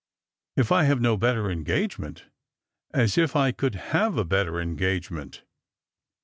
" If I have no better engagement! As if I could have a better engagement."